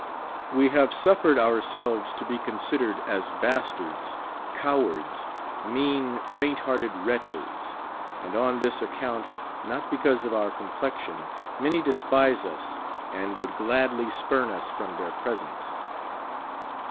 We have suffered ourselves to be considered as dastards, cowards, mean, faint hearted wretches ; and on this ac count (not because of our complexion) many despise us, and would gladly spurn us from their presence.